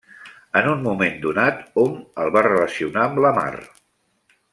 En un moment donat hom el va relacionar amb la mar.